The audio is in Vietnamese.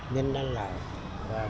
nhân đàn lạ